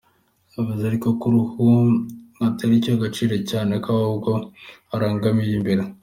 Yavuze ariko ko uruhu atari cyo aha agaciro cyane ko ahubwo arangamiye imbere.